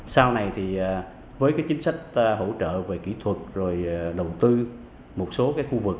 sau này thì với chính sách hỗ trợ về kỹ thuật rồi đầu tư một số khu vực